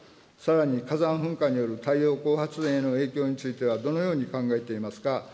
さらに、火山噴火による太陽光発電への影響についてはどのように考えていますか。